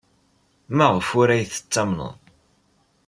Maɣef ur aɣ-tettamneḍ?